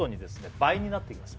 倍になっていきます